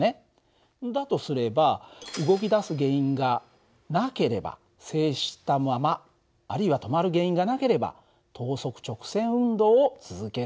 だとすれば動き出す原因がなければ静止したままあるいは止まる原因がなければ等速直線運動を続けるはずだ。